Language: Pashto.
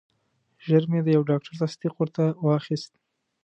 ژر مې د یو ډاکټر تصدیق ورته واخیست.